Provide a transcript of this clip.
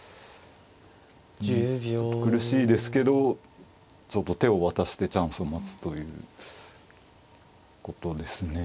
ちょっと苦しいですけどちょっと手を渡してチャンスを待つということですね。